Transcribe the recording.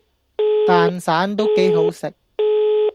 蛋散都幾好食